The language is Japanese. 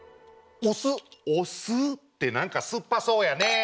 「おす」ってなんかすっぱそうやね。